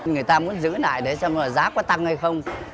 người ta muốn giữ lại để xem là giá có tăng hay không